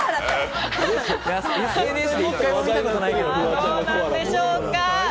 どうなんでしょうか？